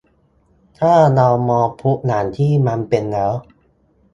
ถ้าเรามองพลุอย่างที่มันเป็นแล้ว